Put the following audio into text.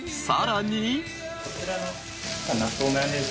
［さらに］